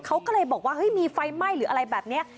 เขาก็เลยบอกว่าเฮ้ยมีไฟไหม้หรืออะไรแบบนี้